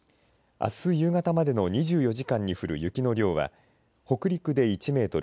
あす夕方までの２４時間に降る雪の量は、北陸で１メートル